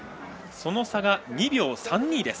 その差が２秒３２。